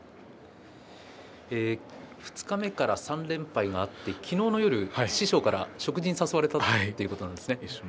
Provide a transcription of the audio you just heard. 二日目から３連敗があって昨日の夜、師匠から食事に誘われたということなんですね。